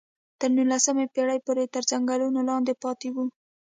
تر نولسمې پېړۍ پورې تر ځنګلونو لاندې پاتې وو.